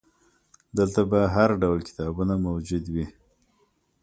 دلته به هرډول کتابونه موجود وي.